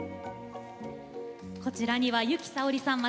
こちらには由紀さおりさん